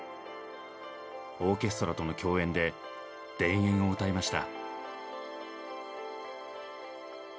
オーケストラとの共演で「田園」を歌いました。